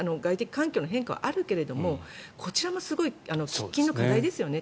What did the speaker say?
環境の変化はあるけれどもこちらもすごい喫緊の課題ですよね。